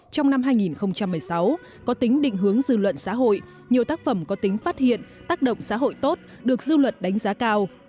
trong năm hai nghìn một mươi sáu có tính định hướng dư luận xã hội nhiều tác phẩm có tính phát hiện tác động xã hội tốt được dư luận đánh giá cao